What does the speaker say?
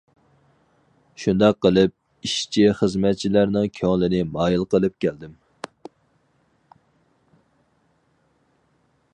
شۇنداق قىلىپ ئىشچى-خىزمەتچىلەرنىڭ كۆڭلىنى مايىل قىلىپ كەلدىم.